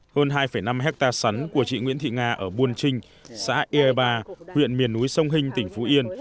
hơn hai năm hectare sắn của chị nguyễn thị nga ở buôn trinh xã e ba huyện miền núi sông hinh tỉnh phú yên